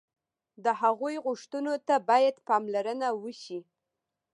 د هغوی غوښتنو ته باید پاملرنه وشي.